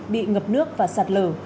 bị ngập nước và sạt lở